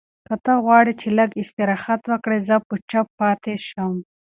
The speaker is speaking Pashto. که ته غواړې چې لږ استراحت وکړې، زه به چپ پاتې شم.